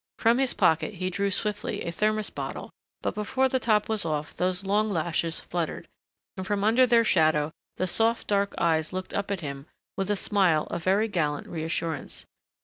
From his pocket he drew swiftly a thermos bottle but before the top was off those long lashes fluttered, and from under their shadow the soft, dark eyes looked up at him with a smile of very gallant reassurance.